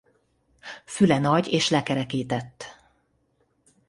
Füle nagy és lekerekített.